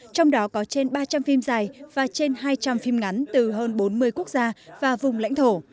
trong đó có trên ba trăm linh phim dài và trên hai trăm linh phim ngắn từ hơn bốn mươi quốc gia và vùng lãnh thổ